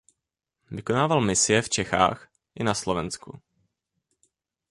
Vykonával misie v Čechách i na Slovensku.